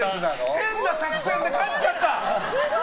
変な作戦で勝っちゃった！